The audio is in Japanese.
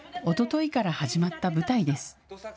おとといから始まった舞台です。